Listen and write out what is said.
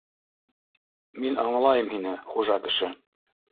Мин аңлайым һине, хужа кеше!